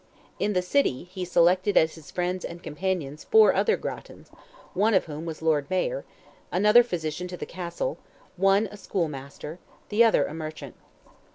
In the city he selected as his friends and companions four other Grattans, one of whom was Lord Mayor, another physician to the castle, one a schoolmaster, the other a merchant.